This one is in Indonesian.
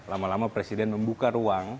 lama lama presiden membuka ruang